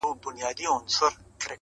جرسونه به شرنګیږي د وطن پر لویو لارو!.